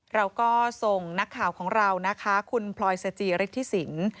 เราก็ทรงนักข่าวของเราคุณพลอยสจิริฐศิลป์